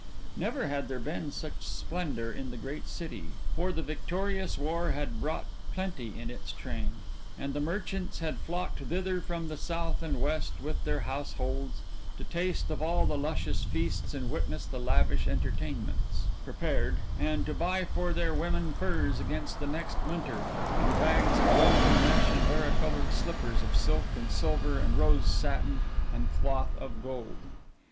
Never had there been such splendor in the great city, for the victorious war had brought plenty in its train, and the merchants had flocked thither from the South and West with their households to taste of all the luscious feasts and witness the lavish entertainments prepared and to buy for their women furs against the next winter and bags of golden mesh and varicolored slippers of silk and silver and rose satin and cloth of gold.